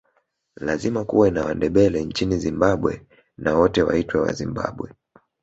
Lazima kuwe na Wandebele nchini Zimbabwe na wote waitwe Wazimbabwe